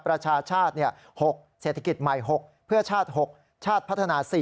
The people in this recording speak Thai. ประชาชาติ๖เศรษฐกิจใหม่๖เพื่อชาติ๖ชาติพัฒนา๔